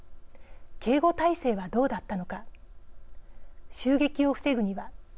警護態勢はどうだったのか襲撃を防ぐには。